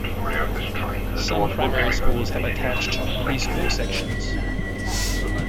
Some primary schools have attached preschool sections.